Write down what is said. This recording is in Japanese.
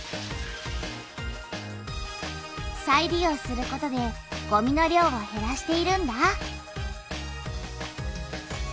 再利用することでごみの量をへらしているんだ。